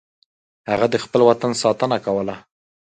هغه د خپل وطن ساتنه کوله.